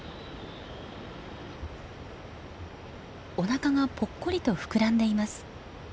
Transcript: おなかがポッコリと膨らんでいます。